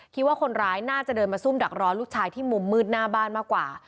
คิดว่าคนร้ายน่าจะเดินมาซุ่มดักรอลูกชายที่มุมมืดหน้าบ้านมากกว่า